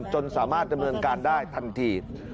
จนสามารถจะเมืองการได้ทันที